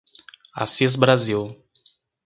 Assis Brasil